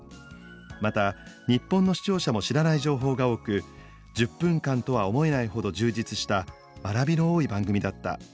また「日本の視聴者も知らない情報が多く１０分間とは思えないほど充実した学びの多い番組だった。